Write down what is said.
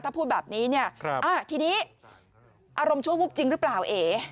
ถ้าพูดแบบนี้เนี่ยทีนี้อารมณ์ชั่ววูบจริงหรือเปล่าเอ๋